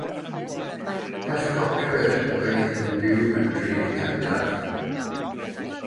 Pysgotwyr oedd yn byw yn y dref gyntaf.